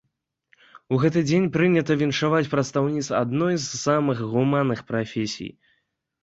У гэты дзень прынята віншаваць прадстаўніц адной з самых гуманных прафесій.